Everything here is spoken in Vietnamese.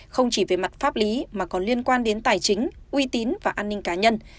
không chỉ về mặt pháp lý mà còn liên quan đến tài chính uy tín và an ninh cá nhân